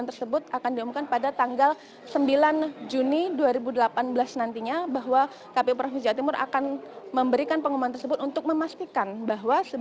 terima kasih terima kasih